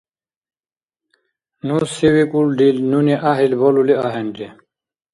Ну се викӀулрил нуни гӀяхӀил балули ахӀенри.